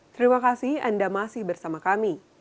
terima kasih anda masih bersama kami